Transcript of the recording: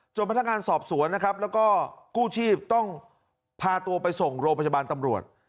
พนักงานสอบสวนนะครับแล้วก็กู้ชีพต้องพาตัวไปส่งโรงพยาบาลตำรวจ